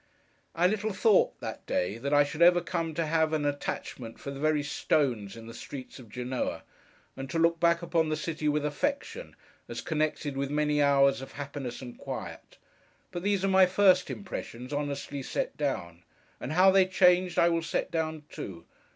I little thought, that day, that I should ever come to have an attachment for the very stones in the streets of Genoa, and to look back upon the city with affection as connected with many hours of happiness and quiet! But these are my first impressions honestly set down; and how they changed, I will set down too.